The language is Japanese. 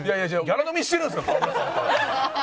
ギャラ飲みしてるんですか？